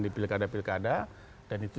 di pilkada pilkada dan itu